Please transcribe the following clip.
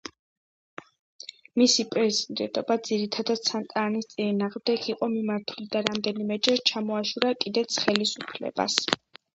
მისი პრეზიდენტობა ძირითადად სანტა-ანას წინააღმდეგ იყო მიმართული და რამდენიმეჯერ ჩამოაშორა კიდეც ხელისუფლებას.